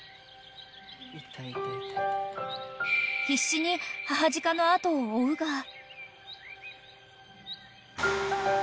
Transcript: ［必死に母鹿の後を追うが］